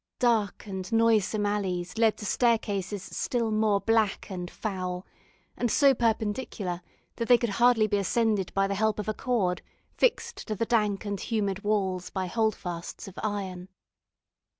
Dark and noisome alleys led to staircases still more black and foul, and so perpendicular that they could hardly be ascended by the help of a cord fixed to the dank and humid walls by holdfasts of iron.